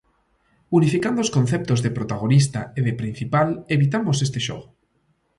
Unificando os conceptos de protagonista e de principal, evitamos este xogo.